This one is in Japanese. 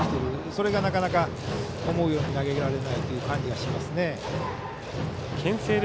それが、なかなか投げられないという感じがしますね。